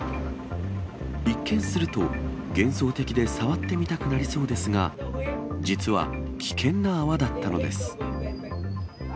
一見すると、幻想的で触ってみたくなりそうですが、実は危険な泡だったのです。